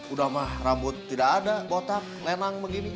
udah mah rambut tidak ada kotak lenang begini